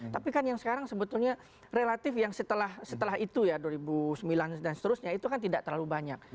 tapi kan yang sekarang sebetulnya relatif yang setelah itu ya dua ribu sembilan dan seterusnya itu kan tidak terlalu banyak